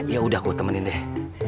ya udah gue temenin deh